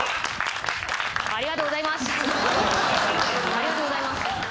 ありがとうございます。